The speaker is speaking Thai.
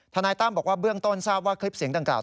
นายตั้มบอกว่าเบื้องต้นทราบว่าคลิปเสียงดังกล่า